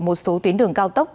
một số tuyến đường cao tốc